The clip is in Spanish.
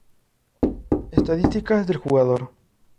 Estadísticas del jugador.